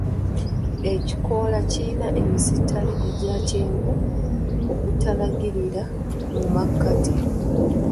Ekikoola kiyina emisittale egya kyenvu n'okutalaagirira mu makati.